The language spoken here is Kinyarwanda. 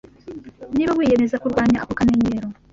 Niba wiyemeza kurwanya ako kamenyero